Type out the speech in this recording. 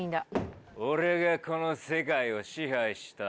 俺がこの世界を支配した。